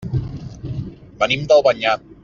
Venim d'Albanyà.